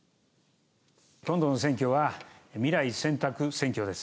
今度の選挙は、未来選択選挙です。